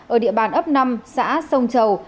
ở địa bàn ấp năm xã sông chầu